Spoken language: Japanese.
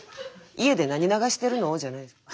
「家で何流してるの？」じゃないんですよ。